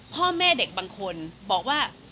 พ่อแม่เด็กบางคนบอกว่า